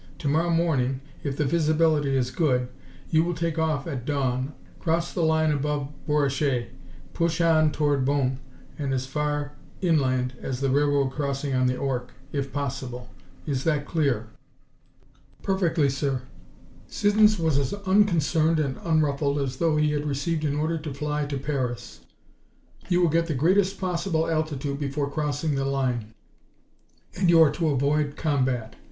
To morrow morning, if the visibility is good, you will take off at dawn, cross the line above Bouresches, push on toward Bonnes and as far inland as the railroad crossing on the Ourcq if possible. Is that clear?" "Perfectly, sir." Siddons was as unconcerned and unruffled as though he had received an order to fly to Paris. "You will get the greatest possible altitude before crossing the line, and you are to avoid combat.